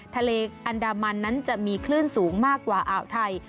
ทะเลอันดามันนั้นจะมีคลื่นสูงมากกว่าอ่าวไทย